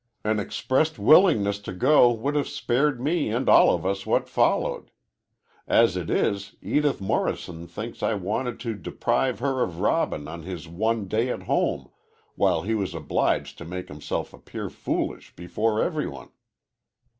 An expressed willingness to go would have spared me and all of us what followed. As it is, Edith Morrison thinks I wanted to deprive her of Robin on his one day at home, while he was obliged to make himself appear foolish before every one."